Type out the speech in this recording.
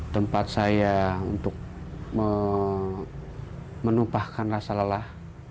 tempat saya untuk menumpahkan rasa lelah